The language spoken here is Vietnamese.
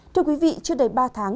thưa quý vị chưa đầy ba tháng